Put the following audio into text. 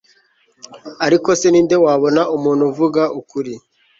ariko se ni nde wabona umuntu uvuga ukuri